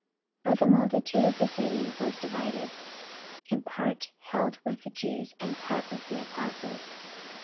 44:014:004 But the multitude of the city was divided: and part held with the Jews, and part with the apostles.